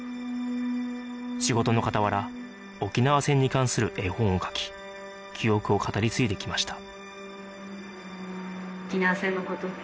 仕事の傍ら沖縄戦に関する絵本を描き記憶を語り継いできました